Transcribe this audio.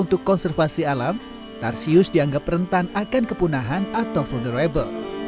untuk konservasi alam tarsius dianggap rentan akan kepunahan atau vulnerable